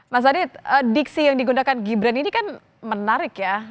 mas adit diksi yang digunakan gibran ini kan menarik ya